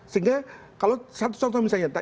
sehingga kalau satu contoh misalnya